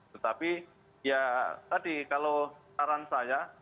tetapi ya tadi kalau saran saya